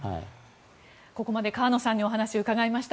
ここまで河野さんにお話を伺いました。